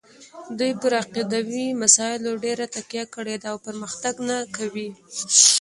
دوی پر عقیدوي مسایلو ډېره تکیه کړې ده او پرمختګ نه کوي.